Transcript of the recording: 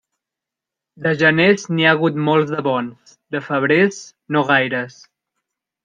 De geners n'hi ha hagut molts de bons; de febrers, no gaires.